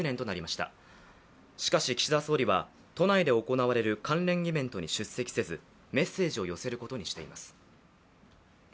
しかし、岸田総理は都内で行われる関連イベントに出席せずメッセージを寄せることにしています。